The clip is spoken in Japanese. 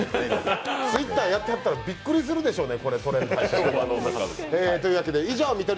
Ｔｗｉｔｔｅｒやってはったらびっくりするでしょうね。